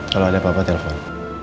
kalo ada apa apa telfon